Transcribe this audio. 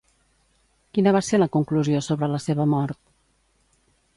Quina va ser la conclusió sobre la seva mort?